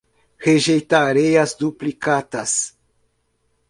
Rejeitarei as duplicatas